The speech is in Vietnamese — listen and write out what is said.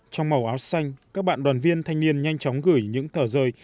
trong màu áo xanh các bạn đoàn viên thanh niên nhanh chóng gửi những thờ rời